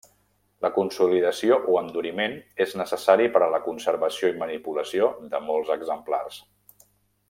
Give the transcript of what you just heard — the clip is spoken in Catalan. La consolidació o enduriment és necessari per a la conservació i manipulació de molts exemplars.